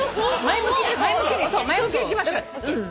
前向きにいきましょうよ。